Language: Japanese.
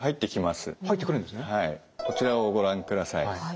こちらをご覧ください。